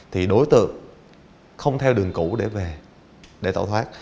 thì đối tượng không theo đường cũ để về để tẩu thoát